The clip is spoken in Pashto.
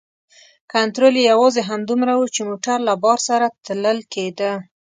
کنترول یې یوازې همدومره و چې موټر له بار سره تلل کیده.